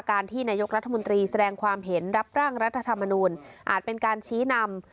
การที่นายกรัฐมนตรีแสดงความเห็นรับร่างรัฐธรรมนูญอาจเป็นการชี้นำ